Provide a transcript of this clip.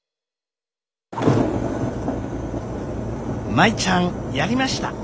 舞ちゃんやりました！